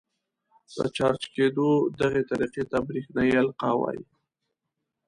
د چارج کېدو دغې طریقې ته برېښنايي القاء وايي.